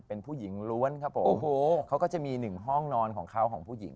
เป็นผู้หญิงล้วนครับผมโอ้โหเขาก็จะมีหนึ่งห้องนอนของเขาของผู้หญิง